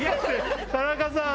田中さん